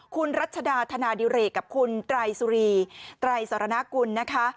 คุณรัชดาธนาดิเรกกับคุณไตรสุรีไตรสรณกุลนะคะ